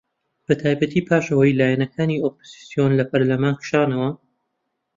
بەتایبەتی پاش ئەوەی لایەنەکانی ئۆپۆزسیۆن لە پەرلەمان کشانەوە